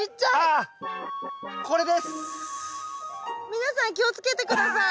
皆さん気をつけて下さい。